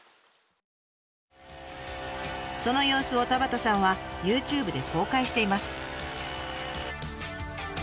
その様子を田端さんはＹｏｕＴｕｂｅで公開しています。